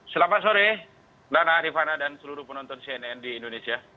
selamat sore nana rifana dan seluruh penonton cnn di indonesia